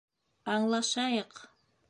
Аңлашайыҡ!